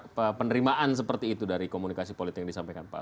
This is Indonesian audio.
apa penerimaan seperti itu dari komunikasi politik yang disampaikan pak